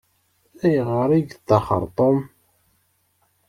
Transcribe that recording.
Ayɣer i yeṭṭaxxer Tom?